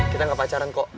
kita gak pacaran kok